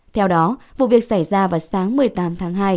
theo đó vụ việc xảy ra vào sáng một mươi tám tháng hai